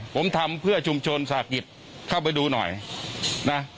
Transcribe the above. ผมทำเพื่อชุมชนสาหกิจเข้าไปดูหน่อยนะ